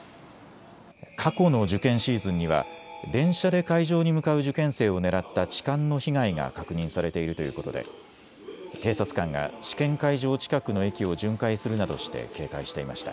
過去の受験シーズンには電車で会場に向かう受験生を狙った痴漢の被害が確認されているということで警察官が試験会場近くの駅を巡回するなどして警戒していました。